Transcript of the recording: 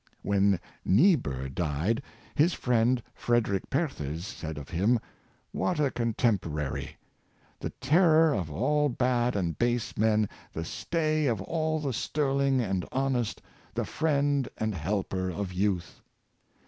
When Niebuhr died, his friend, Frederick Perthes, said of him: " What a contemporary ! The terror of all bad and base men, the stay of all the sterling and honest, the friend and helper of youth."